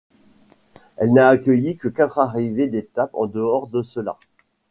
Elle n'a accueilli que quatre arrivées d'étape en dehors de cela.